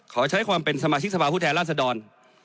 ขอใช้ความเป็นสมาชิกสภาพผู้แทนราชดร